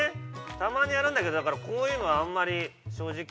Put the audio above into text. たまにやるんだけど、こういうのはあんまり、正直。